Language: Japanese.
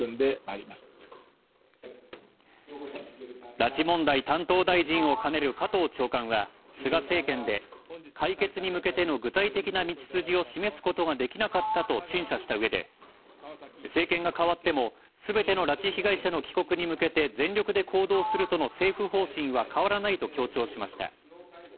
拉致問題担当大臣を兼ねる加藤長官は、菅政権で「解決に向けての具体的な道筋を示すことができなかった」と陳謝した上で「政権が代わってもすべての拉致被害者の帰国に向けて全力で行動するとの政府方針は変わらない」と強調しました。